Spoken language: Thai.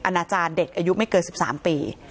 นาจารย์เด็กอายุไม่เกิน๑๓ปี